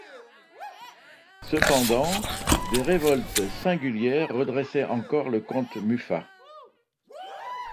Cependant, des révoltes singulières redressaient encore le comte Muffat.